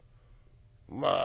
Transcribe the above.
まあ